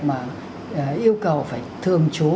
mà yêu cầu phải thường trú